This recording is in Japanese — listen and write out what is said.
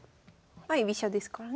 まあ居飛車ですからね。